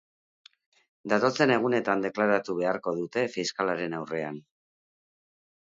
Datozen egunetan deklaratu beharko dute fiskalaren aurrean.